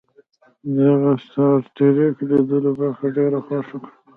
هغه د سټار ټریک لیدلو برخه ډیره خوښه کړه